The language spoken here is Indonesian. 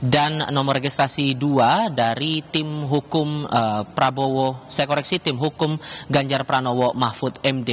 dan nomor registrasi dua dari tim hukum ganjar pranowo mahfud md